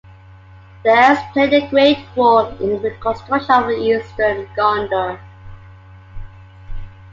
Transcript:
The Elves played a great role in the reconstruction of eastern Gondor.